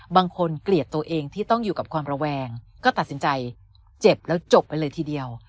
เกลียดตัวเองที่ต้องอยู่กับความระแวงก็ตัดสินใจเจ็บแล้วจบไปเลยทีเดียว